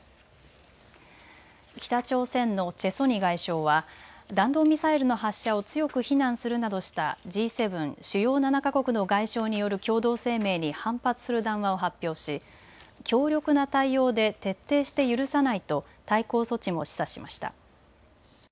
北朝鮮のチェ・ソニ外相は弾道ミサイルの発射を強く非難するなどしたＧ７・主要７か国の外相による共同声明に反発する談話を発表し強力な対応で徹底して許さないと対抗措置も示唆しました。